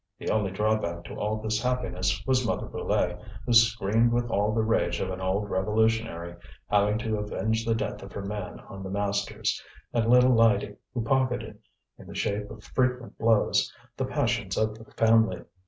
The only drawback to all this happiness was Mother Brulé, who screamed with all the rage of an old revolutionary, having to avenge the death of her man on the masters, and little Lydie, who pocketed, in the shape of frequent blows, the passions of the family.